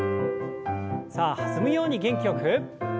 さあ弾むように元気よく。